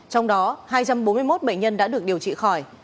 trong đó hai trăm bốn mươi một bệnh nhân đã được điều trị khỏi